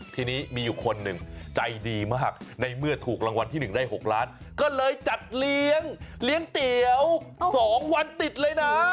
ทีนี้มีอยู่คนหนึ่งใจดีมากในเมื่อถูกรางวัลที่๑ได้๖ล้านก็เลยจัดเลี้ยงเตี๋ยว๒วันติดเลยนะ